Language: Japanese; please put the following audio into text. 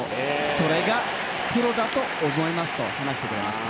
それがプロだと思いますと話してくれました。